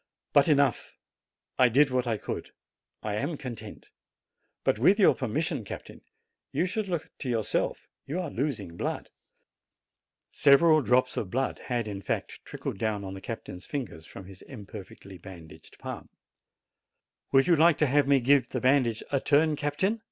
But enough! I did what I could. I am content. But, with your permission, captain, you should look to yourself : you are losing blood." Several drops of blood had in fact trickled down on the captain's fingers from his imperfectly ban daged palm. "Would you like to have me give the bandage a turn, captain?